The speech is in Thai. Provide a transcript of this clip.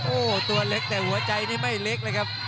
โอ้โหตัวเล็กแต่หัวใจนี่ไม่เล็กเลยครับ